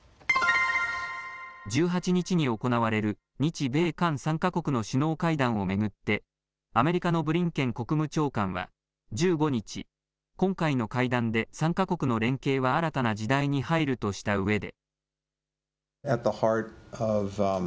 １８日に行われる日米韓３か国の首脳会談を巡ってアメリカのブリンケン国務長官は１５日、今回の会談で３か国の連携は新たな時代に入るとしたうえで。